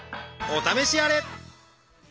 お試しあれ！